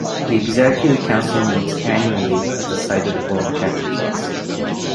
The Executive Council meets annually at the site of the World Championships.